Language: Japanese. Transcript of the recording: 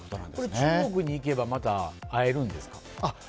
中国に行けばまた会えるんですか？